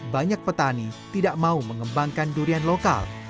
banyak petani tidak mau mengembangkan durian lokal